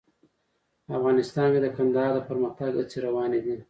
افغانستان کې د کندهار د پرمختګ هڅې روانې دي.